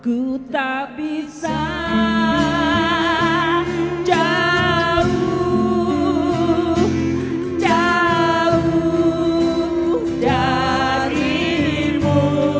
ku tak bisa jauh darimu